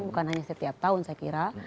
bukan hanya setiap tahun saya kira